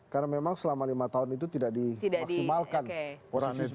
karena memang selama lima tahun itu tidak dimaksimalkan